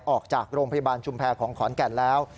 ออกจากโรงพยาบาลชุมแพรของขอนแก่นแล้ว